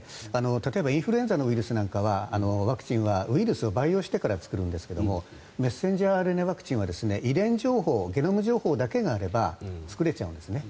例えばインフルエンザのウイルスなんかはワクチンはウイルスを培養してから作るんですがメッセンジャーＲＮＡワクチンは遺伝情報ゲノム情報だけがあれば作れちゃうんですね。